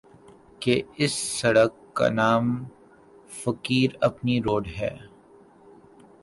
کہ اِس سڑک کا نام فقیر ایپی روڈ ہے